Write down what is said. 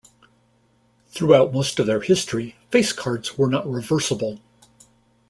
Throughout most of their history, face cards were not reversible.